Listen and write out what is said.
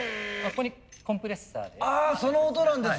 ここにコンプレッサーで。